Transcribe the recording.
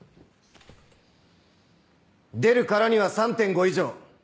出るからには３．５以上。